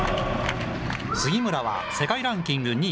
杉村は世界ランキング２位。